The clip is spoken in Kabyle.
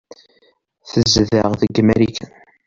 Tezdeɣ deg Marikan.